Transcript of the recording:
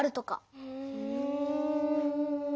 うん。